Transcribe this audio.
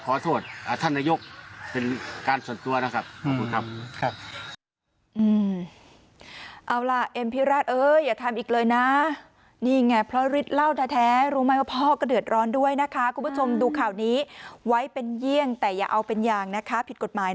ขอโทษท่านนายกเป็นการส่วนตัวนะครับขอบคุณครับ